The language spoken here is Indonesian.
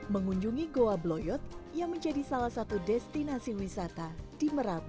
mengunjungi goa bloyot yang menjadi salah satu destinasi wisata di merabu